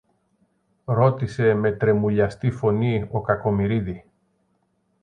ρώτησε με τρεμουλιαστή φωνή ο Κακομοιρίδη